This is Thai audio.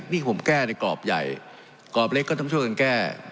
นี่ผมแก้ในกรอบใหญ่กรอบเล็กก็ต้องช่วยกันแก้